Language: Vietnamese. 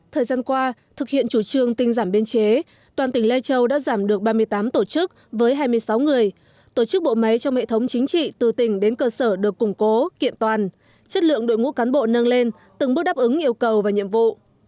thời gian qua thực hiện chủ trương tinh giảm biên chế toàn tỉnh lai châu đã giảm được ba mươi tám tổ chức với hai mươi sáu người tổ chức bộ máy trong hệ thống chính trị từ tỉnh đến cơ sở được củng cố kiện toàn chất lượng đội ngũ cán bộ nâng lên từng bước đáp ứng yêu cầu và nhiệm vụ